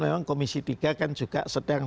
memang komisi tiga kan juga sedang